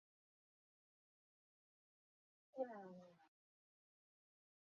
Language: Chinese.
托旺达镇区为位在美国堪萨斯州巴特勒县的镇区。